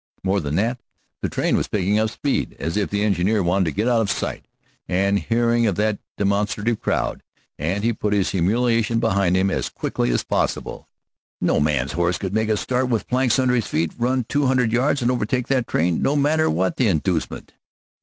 More than that, the train was picking up speed, as if the engineer wanted to get out of sight and hearing of that demonstrative crowd, and put his humiliation behind him as quickly as possible. No man's horse could make a start with planks under his feet, run two hundred yards and overtake that train, no matter what the inducement.